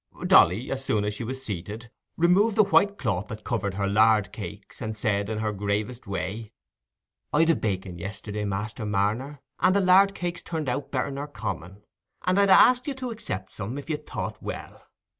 Dolly, as soon as she was seated, removed the white cloth that covered her lard cakes, and said in her gravest way— "I'd a baking yisterday, Master Marner, and the lard cakes turned out better nor common, and I'd ha' asked you to accept some, if you'd thought well.